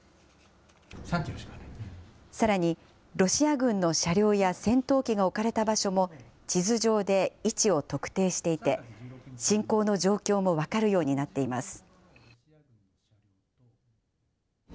さらに、ロシア軍の車両や戦闘機が置かれた場所も地図上で位置を特定していて侵攻の状況も分かるようになっています。